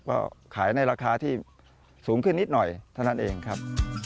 ก็ขายในราคาที่สูงขึ้นนิดหน่อยเท่านั้นเองครับ